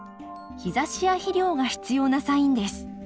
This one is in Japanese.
日ざしや肥料が必要なサインです。